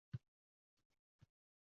Yulduzlarning gulshani